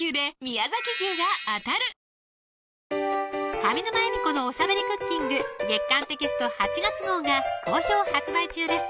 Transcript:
上沼恵美子のおしゃべりクッキング月刊テキスト８月号が好評発売中です